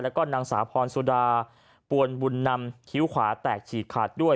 แล้วก็นางสาวพรสุดาปวนบุญนำคิ้วขวาแตกฉีกขาดด้วย